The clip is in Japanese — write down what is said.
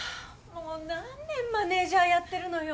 もう何年マネジャーやってるのよ。